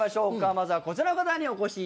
まずはこちらの方にお越しいただきましょう。